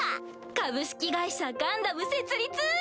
「株式会社ガンダム」設立。